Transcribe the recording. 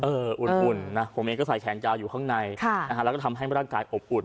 อุ่นนะผมเองก็ใส่แขนยาวอยู่ข้างในแล้วก็ทำให้ร่างกายอบอุ่น